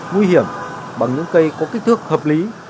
nguy hiểm bằng những cây có kích thước hợp lý